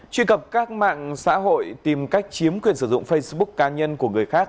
truy cập các mạng xã hội tìm cách chiếm quyền sử dụng facebook cá nhân của người khác